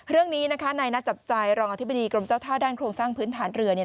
เรื่องนี้นายนัดจับใจรองอธิบดีกรมเจ้าท่าด้านโครงสร้างพื้นฐานเรือ